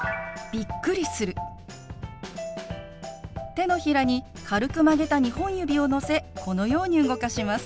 手のひらに軽く曲げた２本指をのせこのように動かします。